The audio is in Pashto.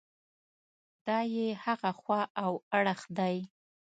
دا یې هغه خوا او اړخ دی.